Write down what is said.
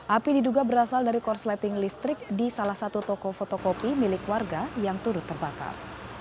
api diduga berasal dari korsleting listrik di salah satu tokopi milik warga yang turut terbakar